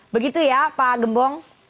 begitu ya pak gembong